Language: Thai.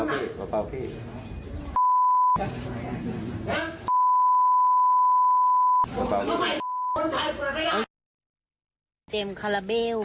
เต็มคาราเบล